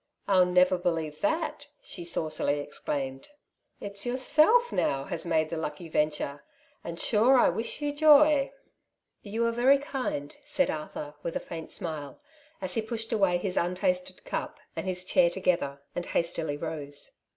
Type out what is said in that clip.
I'll never believe that/' she saucily exclaimed. "It's your A Prize in the Lottery, 95 Self now has made the lucky venture, and sure I wish you joy I '' ''You are veiy kind/^ said Arthur with a faint smile, as he pushed away his untasted cup and his chair together, and hastily rose.